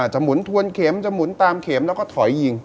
หมุนทวนเข็มจะหมุนตามเข็มแล้วก็ถอยยิง